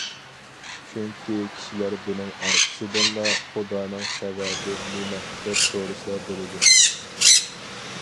چۈنكى كىشىلەر بۇنىڭ ئارقىسىدىنلا:« خۇدانىڭ سەۋەبى نېمە؟» دەپ سورىسا بولىدۇ.